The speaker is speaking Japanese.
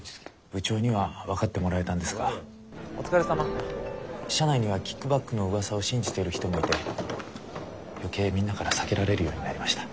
部長には分かってもらえたんですが社内にはキックバックのうわさを信じている人もいて余計みんなから避けられるようになりました。